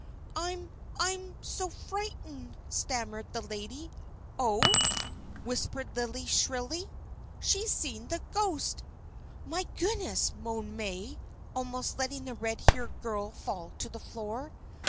"I I'm so frightened," stammered the lady. "Oh!" whispered Lillie, shrilly. "She's seen the ghost." "My goodness!" moaned May, almost letting the red haired girl fall to the floor.